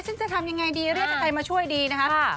ฉันจะทำยังไงดีเรียกใครมาช่วยดีนะครับ